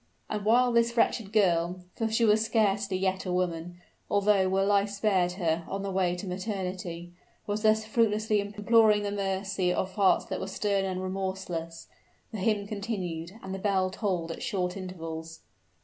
And while this wretched girl for she was scarcely yet a woman, although were life spared her, on the way to maternity was thus fruitlessly imploring the mercy of hearts that were stern and remorseless, the hymn continued, and the bell tolled at short intervals.